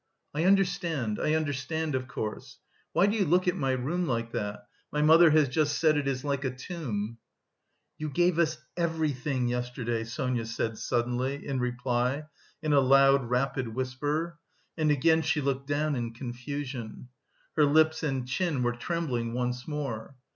"I understand, I understand... of course... why do you look at my room like that? My mother has just said it is like a tomb." "You gave us everything yesterday," Sonia said suddenly, in reply, in a loud rapid whisper; and again she looked down in confusion. Her lips and chin were trembling once more.